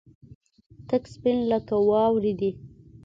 تک سپين لکه واورې دي.